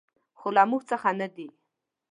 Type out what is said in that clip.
خو له موږ څخه نه دي .